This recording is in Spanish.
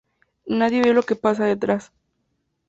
Nadie ve lo que pasa detrás.